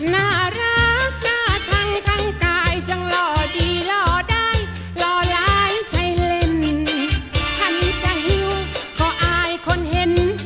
น่ารักน่าชั่งทั้งกายจังหล่อดีหล่อได้หล่อย้ายใช้เล่นฉันจะหิวพออายคนเห็น